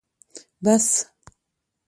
بس